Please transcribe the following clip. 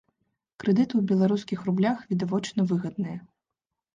Крэдыты ў беларускіх рублях, відавочна, выгадныя.